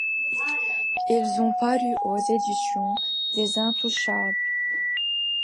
Ils ont paru aux éditions des Intouchables.